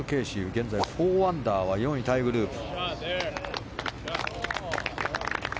現在、４アンダーは４位タイグループ。